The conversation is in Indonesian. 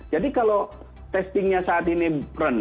jadi kalau testingnya saat ini berhasil